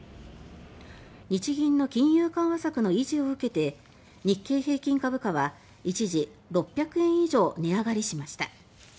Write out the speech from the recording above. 日銀の金融緩和策の維持を受けて日経平均株価は一時、６００円以上値上がりしました。